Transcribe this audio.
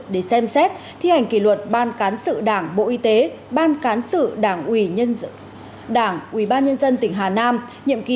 để xem xét thi hành kỷ luật ban cán sự đảng bộ y tế ban cán sự đảng uy nhân dân tỉnh hà nam